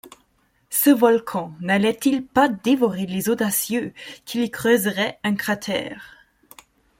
Ce volcan n’allait-il pas dévorer les audacieux qui lui creuseraient un cratère?